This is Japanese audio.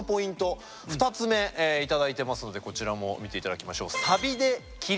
２つ目頂いてますのでこちらも見て頂きましょう。